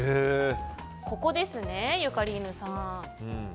ここですね、ゆかりーぬさん。